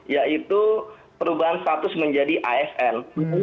yaitu perubahan status menjadi asn